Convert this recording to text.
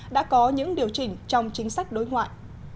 đã có những điều chỉnh trong chính sách đối ngoại